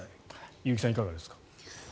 結城さん、いかがですか？